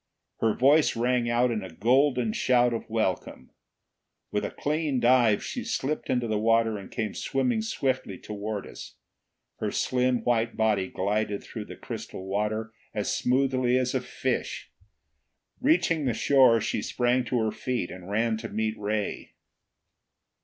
Her voice rang out in a golden shout of welcome. With a clean dive she slipped into the water and came swimming swiftly toward us. Her slim white body glided through the crystal water as smoothly as a fish. Reaching the shore she sprang to her feet and ran to meet Ray.